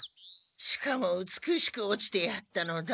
しかもうつくしく落ちてやったのだ。